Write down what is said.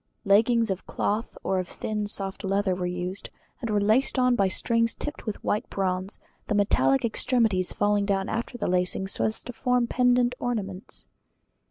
Leggings of cloth or of thin soft leather were used, and were laced on by strings tipped with white bronze, the bright metallic extremities falling down after lacing, so as to form pendant ornaments.